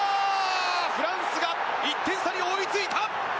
フランスが１点差に追いついた！